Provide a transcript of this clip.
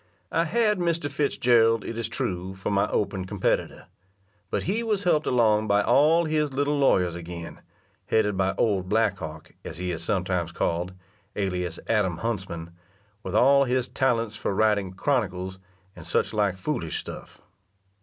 I had Mr. Fitzgerald, it is true, for my open competitor, but he was helped along by all his little lawyers again, headed by old Black Hawk, as he is sometimes called, (alias) Adam Huntsman, with all his talents for writing "Chronicles," and such like foolish stuff.